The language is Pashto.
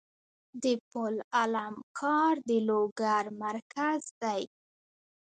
د پل علم ښار د لوګر مرکز دی